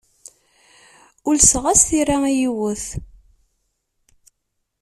Ulseɣ-as tira i yiwet.